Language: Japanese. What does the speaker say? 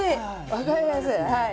分かりやすいはい。